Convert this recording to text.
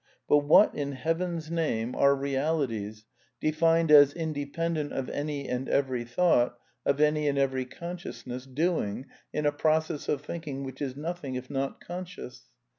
But what, in Heaven's name, are 284 A DEFENCE OF IDEALISM realities, defined as independent of any and every thought, of any and every consciousness, doing in a process of think ing which is nothing if not conscious